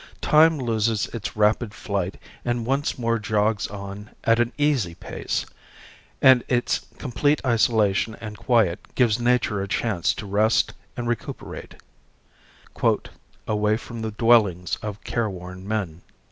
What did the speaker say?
Time loses its rapid flight and once more jogs on at an easy pace; and its complete isolation and quiet gives nature a chance to rest and recuperate "Away from the dwellings of careworn men."